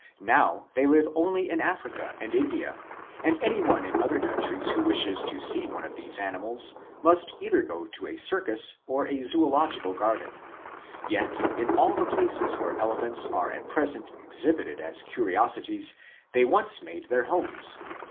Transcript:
Now they live only in Africa and India, and any one in other countries who wishes to see one of these animals must go either to a circus or a zoolog ical garden. Yet, in all the places where elephants are at present exhibited as curiosities, they once made their homes.